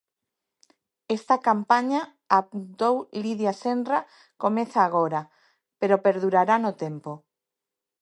Esta campaña, apuntou Lidia Senra, "comeza agora pero perdurará no tempo".